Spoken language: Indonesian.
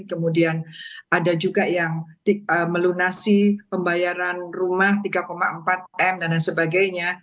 kemudian ada juga yang melunasi pembayaran rumah tiga empat m dan lain sebagainya